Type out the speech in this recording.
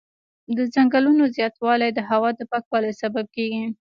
د ځنګلونو زیاتوالی د هوا د پاکوالي سبب کېږي.